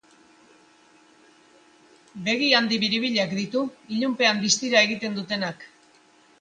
Begi handi biribilak ditu, ilunpean distira egiten dutenak.